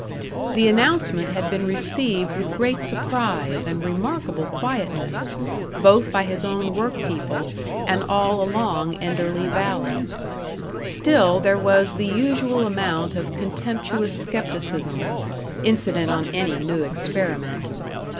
The announcement had been received with great surprise and remarkable quietness, both by his own work people and all along Enderley valley. Still there was the usual amount of contemptuous scepticism, incident on any new experiment.